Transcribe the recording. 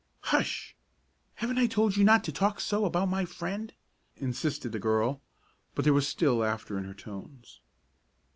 "Hush! Haven't I told you not to talk so about my friend?" insisted the girl, but there was still laughter in her tones.